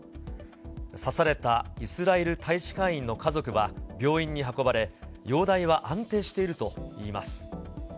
刺されたイスラエル大使館員の家族は、病院に運ばれ、容体は安定しているといいます。